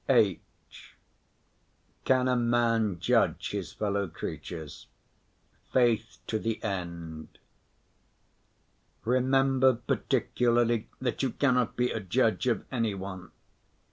(h) Can a Man judge his Fellow Creatures? Faith to the End Remember particularly that you cannot be a judge of any one.